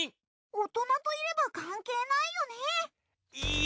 大人といればかんけいないよね。